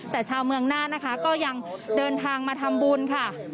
แต่ชาวเมืองน่านนะคะก็ยังเดินทางมาทำบุญค่ะ